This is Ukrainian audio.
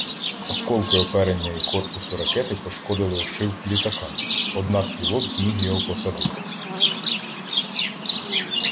Осколки оперення і корпусу ракети пошкодили обшивку літака, однак пілот зміг його посадити.